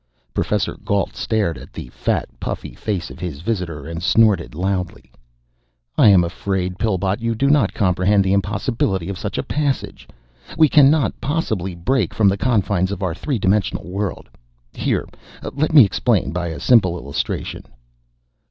Professor Gault stared at the fat, puffy face of his visitor, and snorted loudly. "I am afraid, Pillbot, you do not comprehend the impossibility of such a passage. We can not possibly break from the confines of our three dimensional world. Here, let me explain by a simple illustration."